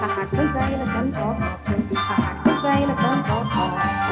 หากสังใจแล้วฉันขอพอเพลินหากสังใจแล้วฉันขอพอเพลิน